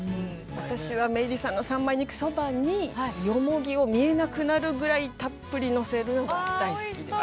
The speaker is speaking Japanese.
私はＭＥＩＲＩさんの三枚肉そばによもぎを見えなくなるぐらいたっぷりのせるのが大好きで。